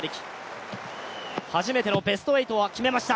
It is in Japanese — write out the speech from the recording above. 初めてのベスト８は決めました。